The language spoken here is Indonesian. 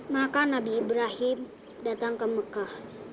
maka nabi ibrahim datang ke mekah